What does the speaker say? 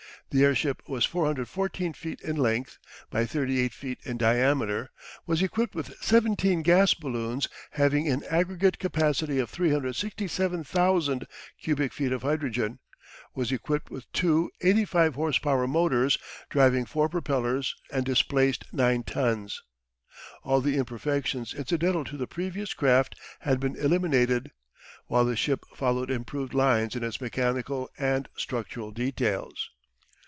The airship was 414 feet in length by 38 feet in diameter, was equipped with 17 gas balloons having an aggregate capacity of 367,000 cubic feet of hydrogen, was equipped with two 85 horse power motors driving four propellers, and displaced 9 tons. All the imperfections incidental to the previous craft had been eliminated, while the ship followed improved lines in its mechanical and structural details.